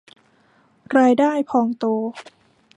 รายได้พองโต